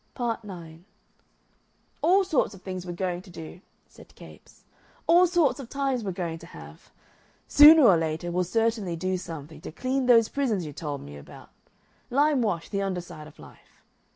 Part 9 "All sorts of things we're going to do," said Capes; "all sorts of times we're going to have. Sooner or later we'll certainly do something to clean those prisons you told me about limewash the underside of life.